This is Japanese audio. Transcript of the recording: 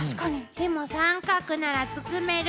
でも三角なら包める。